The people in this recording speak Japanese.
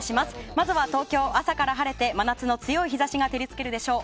まずは東京、朝から晴れて真夏の強い日差しが照りつけるでしょう。